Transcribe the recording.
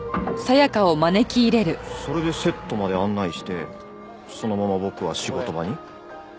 それでセットまで案内してそのまま僕は仕事場に。